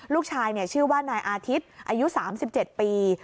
ชื่อว่านายอาทิตย์อายุ๓๗ปี